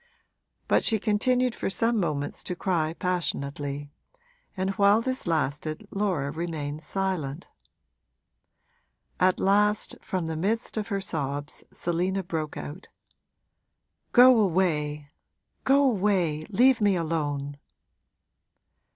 But she continued for some moments to cry passionately, and while this lasted Laura remained silent. At last from the midst of her sobs Selina broke out, 'Go away, go away leave me alone!'